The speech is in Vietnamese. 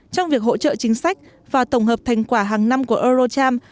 trong việc hỗ trợ chính sách và tổng hợp thành quả hàng năm của eurocharm